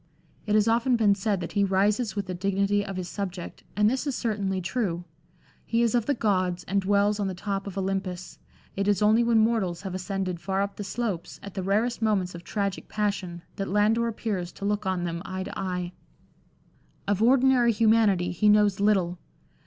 It has often been said that he rises with the dignity of his subject, and this is certainly true. He is of the gods and dwells on the top of Olympus ; it is only when mortals have ascended far up the slopes, at the rarest moments of tragic passion, that Landor appears to look on them eye to eye. Of ordinary humanity he knows little.